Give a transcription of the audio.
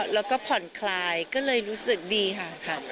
แล้วก็ผ่อนคลายก็เลยรู้สึกดีค่ะ